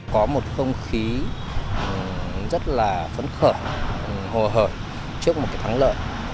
có một không khí rất là phấn khởi hồ hởi trước một tháng lợi